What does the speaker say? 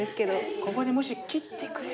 ここにもし切ってくれれば。